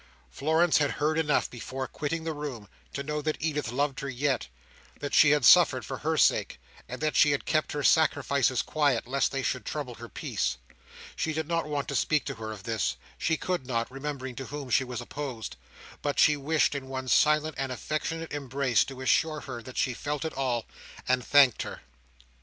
Florence had heard enough before quitting the room, to know that Edith loved her yet; that she had suffered for her sake; and that she had kept her sacrifices quiet, lest they should trouble her peace. She did not want to speak to her of this—she could not, remembering to whom she was opposed—but she wished, in one silent and affectionate embrace, to assure her that she felt it all, and thanked her.